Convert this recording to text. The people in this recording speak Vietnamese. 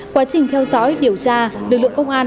quá trình theo dõi điều tra lực lượng công an